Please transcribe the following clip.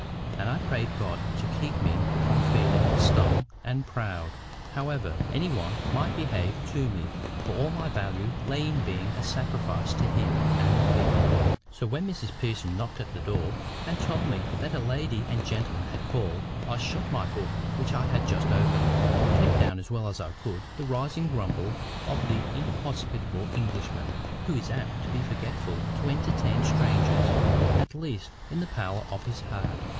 And I prayed God to keep me from feeling STUNG and proud, however any one might behave to me; for all my value lay in being a sacrifice to Him and the people. So when Mrs Pearson knocked at the door, and told me that a lady and gentleman had called, I shut my book which I had just opened, and kept down as well as I could the rising grumble of the inhospitable Englishman, who is apt to be forgetful to entertain strangers, at least in the parlour of his heart.